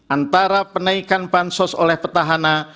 antara penaikan bansos oleh petahana